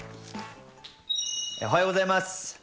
おはようございます。